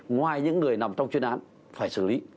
ngoài những người nằm trong chuyên án phải xử lý